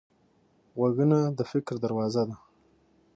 غوږونه د فکر دروازه ده